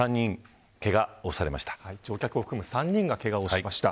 乗客を含む３人がけがをしました。